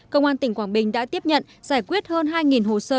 công an tỉnh quảng bình đã tiếp nhận giải quyết hơn hai hồ sơ